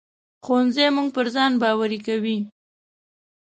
ښوونځی موږ پر ځان باوري کوي